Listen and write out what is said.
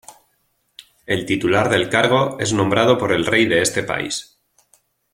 El titular del cargo es nombrado por el Rey de este país.